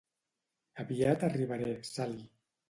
Aviat arribaré, Sally.